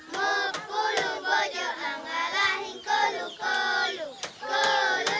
mupulu bojo anggalahin kolu kolu